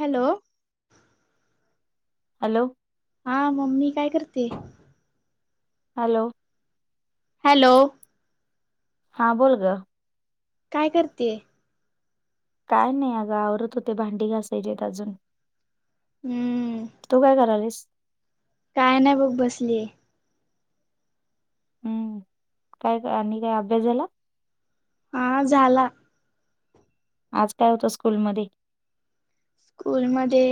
Hello hello हा, mummy काय करतेय? हॅलो. हॅलो. हा बोल ग. काय करतेय? काय नाही अगं, आवरत होते. भांडी घासायचेत अजून. हम्म तू काय करालीस? काय नाही बघ बसले. हम्म काय आणि काय अभ्यास झाला? हा झाला. आज काय होतं स्कूलमध्ये? स्कूलमध्ये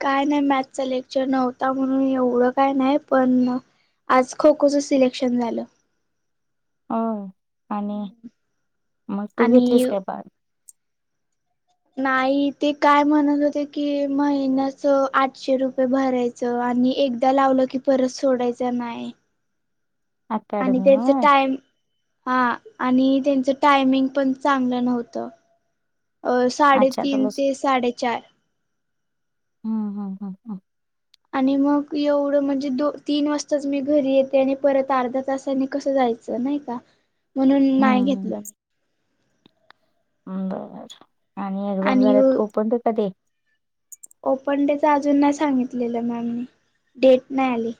काय नाही मॅथचा लेक्चर नव्हता म्हणून एवढं काय नाही पण आज खो खोचं सिलेक्शन झालं. होय आणि मग तू आणि घेतलीस काय [unintelligible] नाही ते काय म्हणत होते की महिन्याच आठशे रुपये भराय च् आणि एकदा लावलं की परत सोडायच नाय. आ आणि त्यांच टाइम हा आणि त्यांचं टायमिंग पण चांगलं नव्हतं. अ अच्छा साडेतीन चला ते साडेचार. हम् हम हम हम. आणि मग एवढं म्हणजे दो तीन वाजताच मी घरी येते आणि परत अर्धा तासाने कसं जायचं नाही का? म्हणून हम्म नाही हम्म घेतलं. बर आणि एक्झाम झाल्यात ओपन ब का ते ओपन डेच अजून नाही सांगितलेलं मॅम नी डेट नाही आली.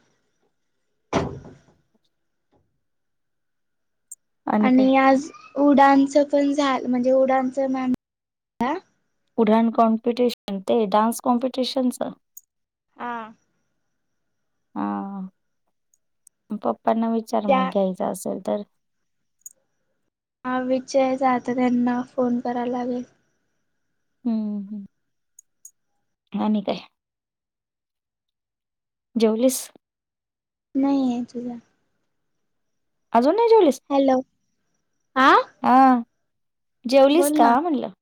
आणि आज उडानचं पण झाल म्हणजे उडाचं मॅ उडाण कॉम्पिटिशन ते डान्स कॉम्पिटिशनच? हा. हा पप्पांना विचार मग त्या घ्यायचा असेल तर. हा विचय जात त्यांना फोन करायला लागेल. हम्म हम् आणि काय? जेवलीस? नाही आहे तुझा अजून नाही जेवलीस? हॅलो आ? हा जेवलीस का म्हटलं.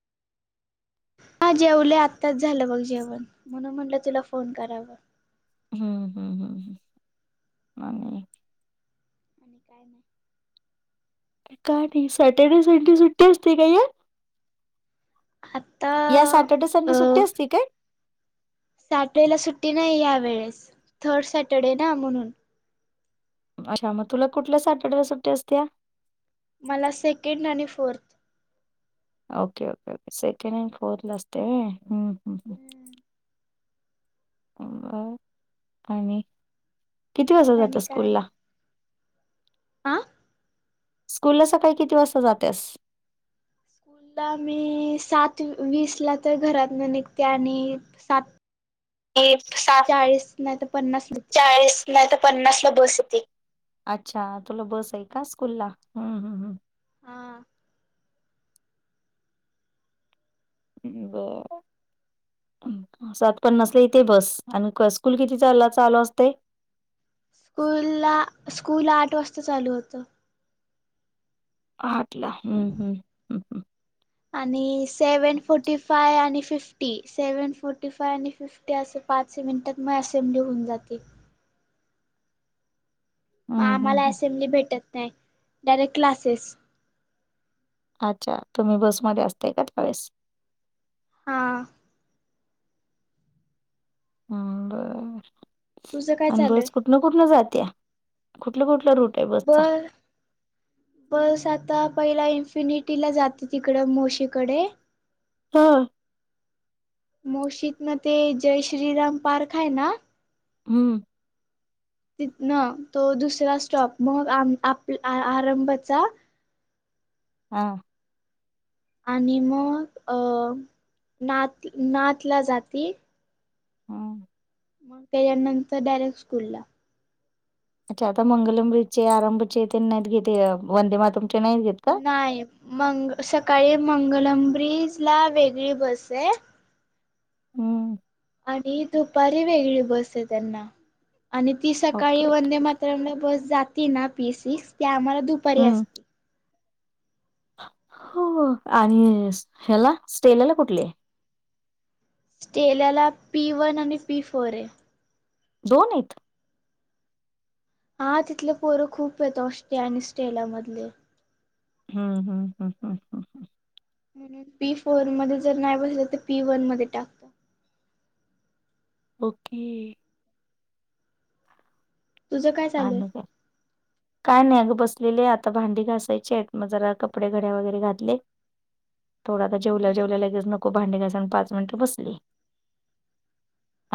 हा जेवले आत्ताच झालं बघ जेवण म्हणून म्हटलं तुला फोन करावं. हम्म हम्म हम् ह् आणि आणि काय नाही काय नाही सॅटरडे संडे सुट्टी असते काय? आता या सॅटर्डे संडे सुट्टी असती काय सॅटर्डे ला सुट्टी नाही यावेेळेस थर्ड सॅटरडे ना म्हणून अच्छा मग तुला कुठल्या सॅटरड सुट्ट असत्या मला सेकंड आणि फोर्थ ओके ओके ओके सेके अ फोर्थ ला असस्ट हम्म हम्म र आणि किती वाजता आणि जातं स्कूल काय ला आ स्कूल ला सकाळी किती वाजता जातेस मुलला मी सात वीस ला तर घरात न निघते आणि सात एक सात चाळीस नाही तर पन्नास निघते. चाळीस नाही तर पन्नासला बस येते अच्छा तुला बस आहे का स्कूल ला हा ह् सात पन्नासला इथे बस आणि स्कूल किती चालू असते स्कूल ला स्कूल आठ वाजता चालू होतं हाटला हम्म हम्् ह् आणि सेव्हन फोर्टी फाय आणि फिफ्टी सेव्हन फोर्टी फाय आणि फिफ्टी ते असं पाच मिनिटात मग असेंब्ली होऊन जाते मग हम्म हम्म आम्हाला हम्म. अससेंब्ली भेटत नाही डायरेक्ट क्लासेस अच्छा तुम्ही बसमध्येध्ये असतेय का त्यावेळेस हा बर तुझं काय आणि चालू बस आहे कुठन कुठन जात्या कुठलं कुठलं रूट आहे बसचा बर बस आता पहिला इन्फिनिटी ला जाते तिकड मोशीकडे हा मोशीद म ते जय श्रीराम पार्क आहे ना हम्म न तो दुसरा स्टॉप मग आप आरंभचा हां आणि मग अ नात नात ला जाती ह मग त्याच्यानंतर डायरेक्ट स्कूल ला अच्छा आता मंगलब्रीचे आरंभचे ते नाहीत घेते वंदे मातुमचे नाहीत घेत का नाही मंग सकाळी मंगलंब्रीज ला वेगळी बस आहे हम्म आणि दुपारी वेगळी बस आहे त्यांना आणि ती सकाळी ओके वंदे मात तरमुळे बस जाते ना पी सिक्स त्या आम्हाला दुपारी हम्म असते हो आणि ह्याला स्टेलला कुठली स्ट्रेलला पी वन आणि पी फोर आहे दोन आहेत हा तिथले पोरं खूप येत ऑ आणि स्टेला मधले हम् हम हम हम ह ह म्हणून पी फोर मध्ये जर नाही बसल तर पी वन मध्ये टाक ओके तुझं काय चालू पाण आहे? का काय नाही अग बसलेले आता भांडी घासायचे आहेत मग जरा कपडे घड्या वगैरे घातले [inaudible] थोडा आता जेवल्या जेवल्या लगेच नको भांडी घस आणि पाच मिनटं बसली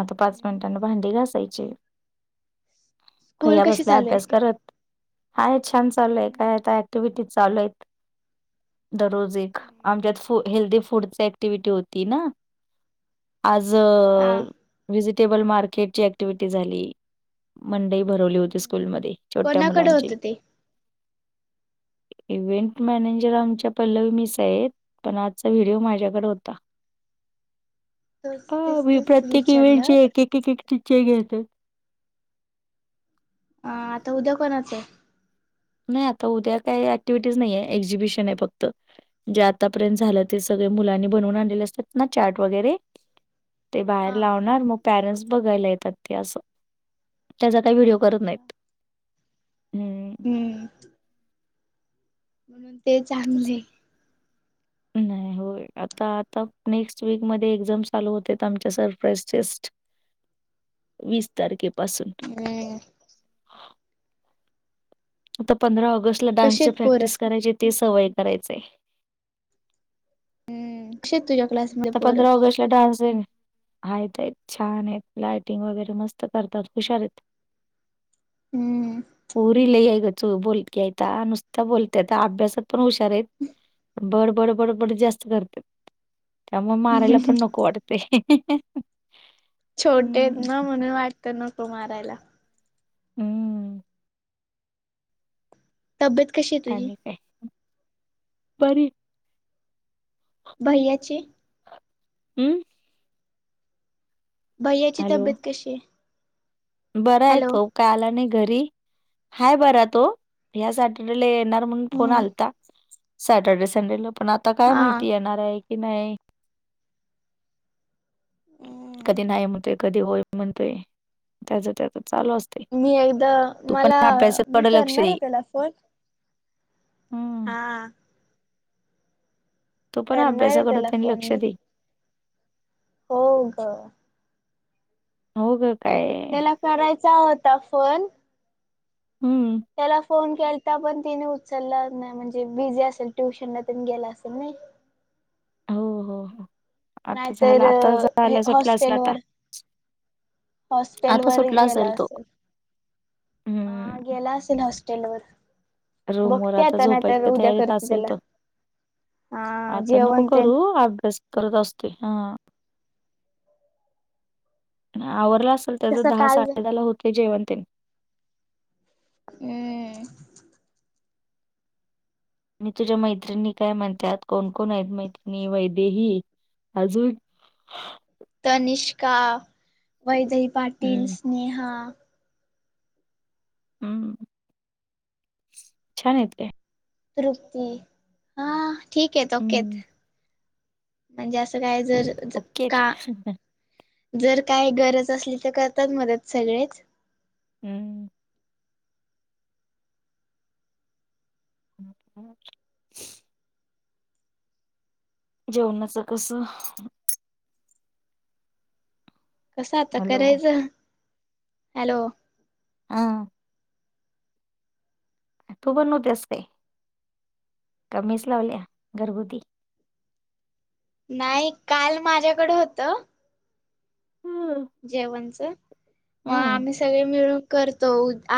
आता पाच मिनिटांना भांडी घासायचे स्कूल भै्या कशी बसल्या चालू आहे? अभ्यास करत हाय छान चालू आहे काय आता ऍक्टिव्हटीज चालू आहेत दररोज एक आमच्यात हेल्दी फूडची ऍक्टिव्हटी होती ना आज हा वजिटेबल मार्केटची ऍक्टिव्हटी झाली मंई भरवली होती स्कूलमध्ये छोट्या कोणाकडे मुलांची होतं [unintelligible] इव्हेंट मॅनेजर आमच्या पल्लवी मिस आहेत पण आजचा व्हिडिओ माझ्याकडे होता तेच अ तेच मी तेच प्रत्येक विचारलं. इव्हेंटचे एक एक टीचे घेत ह आता उद्या कोणाचं आहे नाही आता उद्या काही ऍक्टिव्हिटीज नाहीे एक्झिबिशन आहे फक्त जे आतापर्यंत झालं ते सगळे मुलांनी बनवून आणलेले असतात ना चचाट वगैरे ते बाहेर हा लावणार मग पॅरेंट्स बघायला येतात ते असं त्याचा काही व्हिडिओ करत अच्छा नाहीत हम्म म्हणून ते तेच चांगले आहे. नाही होय आता आता नेक्स्ट वीक मध्ये एक्झाम चालू होते आमच्या सरप्राईज टेस्ट वीस तारखेपासून ह आता पंधरा ऑगस्टला कशी डान्सचे आहेत पोरं? प्रॅक्टिस करायचे ते सवय करायचेय हम्म श तुझ्या क्लासमध्ये पोर डानस आहेत आहेत छान आहेत लायटिंग वगैरे मस्त करतात हुश हम्म पूरी ल आहेय क बोलयता नुसता बोलतायता अभ्यासात पण हुशार आहेत बड बड बडबड जास्त करते त्यामुळे मारायला पण नको वाटते छोटे आहेत हम्म ना म्हणून वाटतं नको मारायला हम्म तब्येत कशी आहे तुझी? आणि काय बरी बैयाचे हम्म भययाची तब्येत कशी आहे बर आहे हॅलो. तो काय आला नाही घरी हाय बरा तो ह्या सॅटर्डेला येणार म्हणून फोन हम्म आलता सॅटर्डे संडेला पण आ आता काय हा. माहिती येणार आहे की नाही कधी नाही म्हणतय कधी होय म्हणतोय त्याच त्याच चालू असत मी एकदा मला मी लक्ष करणार दे. आहे त्याला फोन हम्म हा तो पण करणार आहे अभ्यासाकडत त्याला त्यांनी फोन लक्ष मी. दे हो का हो ग काय त्याला करायचा होता फोन हम्म त्याला फोन केलता पण तिने उचलला नाही म्हणजे बिझी असेल ट्युशनला त्यांनी गेला असेल ना हो, हो, हो. आता नाहीतर झाला आता हे झाला सुटला असेल आता. हॉस्टेलवर हॉस्टेल आता वर सुटला गेला तो. असेल ह हम्म गेला असेल हॉस्टेलवर. रूमवर बघते आता नाही तर झोपायच्या उद्या तयारीत करते असेल त्याला. तो. हा आता नक जेवण तेन करू अभ्यास करत असते हा. आवरला असेल त्याच तसं दहा काल साडे दहा ला होते जयवंतन हम् मी तुझ्या मैत्रिणी काय म्हणतात कोण कोण आहेत मैत्रिणी वैदेही अजून तनिष्का वैदई पाटील हम्म. स्नेहा. हम्म छान आहेत त्या. तृप्ती हा ठीक आहेत ओके हायत. हं, म्हणजे असं काय जर ओके हाईत का ह हं. जर काय गरज असली तर करतात मदत सगळेच. हम्म. ह जेवणाचं कसं कसं आता हॅलो, करायचं हॅलो आ. तू बनवतेस काय. आता मेस लावल्या घरगुती. नाही काल माझ्याकडे होत. हम् जेवणच मग आम्ही सगळे मिळून करतो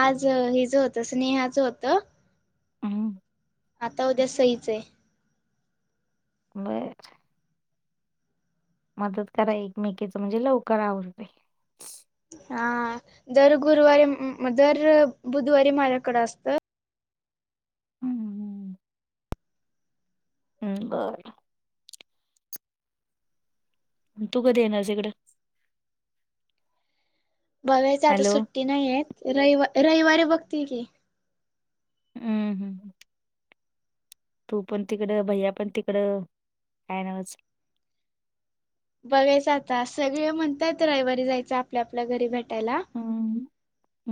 आज हिज होत स्नेहाच होत. हं. आता उद्या सईच आहे. मग मदत करा एकमेकीच म्हणजे लवकर आवरतय. हा दर गुरुवारी म म दर बुधवारी माझ्याकडे असतं. हं, हम्म बरं. तू कधी येणार आहेस इकड बघायच आता हॅलो, सुट्टी नाही आहेत रवि रविवारी बघतील की. हं, हं. तू पण तिकड भैया पण तिकड काय नावच. बघायच आता सगळे म्हणतायत रविवारी जायचं आपल्या आपल्या घरी भे टायला हं,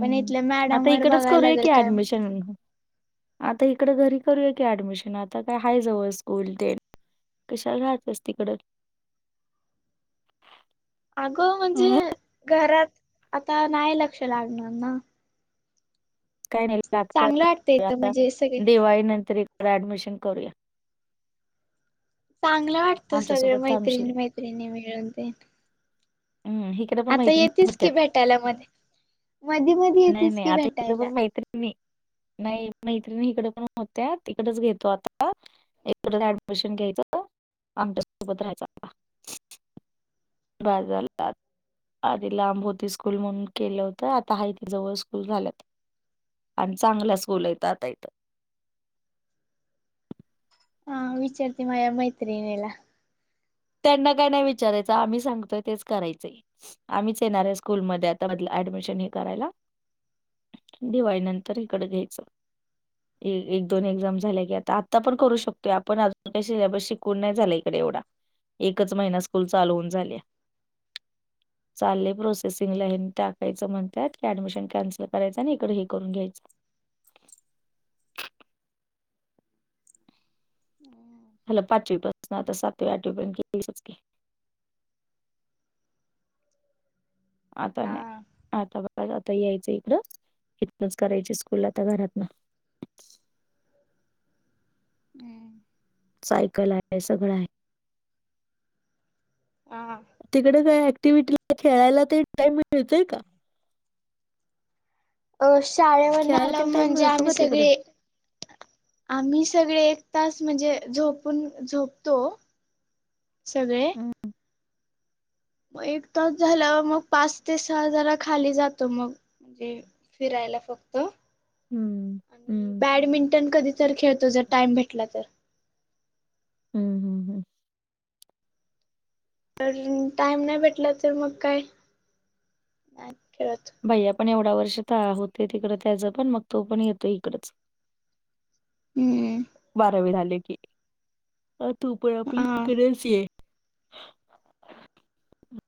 पण इथल्या मॅडम आता वर इकडंच बघायला करूया लागल की काय म्हणत्यात. ॲडमिशन. आता इकडं घरी करूया की ऍडमिशन आता काय हय जवळ स्कूल तेन. कशाला राहत्यास तिकडं. [inaudible] अगं म्हणजे अ. घरात आता नाही लक्ष लागणार ना. काय नाही लागत चांगलं वाटतं इथं आता म्हणजे सगळे दिवाळी नंतर इकडे ऍडमिशन करूया. चांगलं वाटतं सगळ आमच्यासोबत थांबशील. मैत्रिणी मैत्रिणी मिळून ते हम् हि इकडे पण आता मैत्रिणी येतेस की होत्यात भेटायला मध्ये मधी मधी नाही येतेस नाही की आता हिकडं भेटायला पण मैत्रि णी नाही मैत्रिणी इकडे पण होत्यात तिकडच घेतो आता. एक [unintelligible] ऍडमिशन घ्यायचं आमच्या सोबत राहायचं बाजारला. ता त आधी लांब होती स्कूल म्हणून केलं होतं आता हा इथ जवळ स्कूल झाल्यात. आणि चांगलाच बोलयता आता यथ. हा विचारते माझ मैत्रीनला. त्यांना काय नाही विचारायचं आम्ही सांगतोय तेच करायचंय. आम्हीच येणार आहे स्कूलमध्ये आता म्हटलं ऍडमिशन हे करायला. दिवाळी नंतर इकडं घ्यायचं. ह एक दोन एक्झाम झाल्या की आता आता पण करू शकतोय आपण अजून काही सिबस शिकून नाही झाला इकडे एवढा एकच महिना स्कूल चालवून झाल्या. ह. [inaudible] चालय प्रोसेसिंगला आहे टाकायचं म्हणतात क ऍडमिशन कॅन्सल करायचं आणि इकडे हे करून घ्यायचं. हम. हला पाचवी पासून आता सातवी आठवीपर्यंतच आता नाही हा आता ब आता यायचं इकडंच इतकच करायची स्कूलला आता घरात ना. हम्म. सायकल आहे सगळं आहे. ह. तिकड काय ऍक्टिव्हटी खेळायला ते टाइम मिळतय का? अ शाळेवरन खेळायला आलं तेन टाइम म्हणजे मिळतो आम्ही का तिकडं? सगळे आम्ही सगळे एक तास म्हणजे झोपून झोपतो सर हम्म. मग एक तास झालावर मग पाच ते सहा हजार खाली जातो मग म्हणजे फिरायला फक्त हम्म. आणि हम्म. बॅडमिंटन कधी तर खेळतो जर टाइम भेटला तर हम्म. हम्म, हम्म. तर टाइम नाही भेटला तर मग काय खेळत. भैया पण एवढा वर्ष तर होते तिकडं त्याचं पण मग तो पण येतो इकडच. हम्म बारावी झाली की आ तू पर हा आपलीकडेे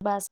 बस.